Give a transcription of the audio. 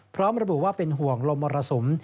พร้อมระบุว่าเป็นห่วงลมมรสุม